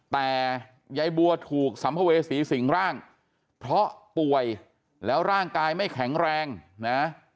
แต่ยายบัวถูกสัมภเวษีสิงร่างเพราะป่วยแล้วร่างกายไม่แข็งแรงนะ